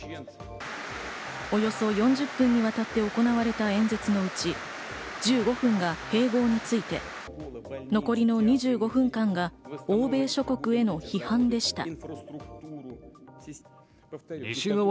およそ４０分にわたって行われた演説のうち、１５分が併合について、残りの２５分間が欧米諸国への批判でした。